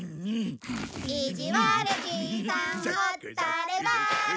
「いじわるじいさんほったれば」